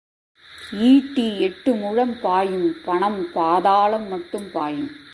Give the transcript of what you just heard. ஈட்டி எட்டு முழம் பாயும், பணம் பாதாளம் மட்டும் பாயும்.